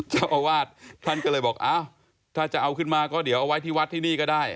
เจ้าอาวาสท่านก็เลยบอกอ้าวถ้าจะเอาขึ้นมาก็เดี๋ยวเอาไว้ที่วัดที่นี่ก็ได้